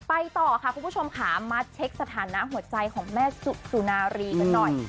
ไปต่อค่ะคุณผู้ชมค่ะมาเช็คสถานะหัวใจของแม่สุนารีกันหน่อย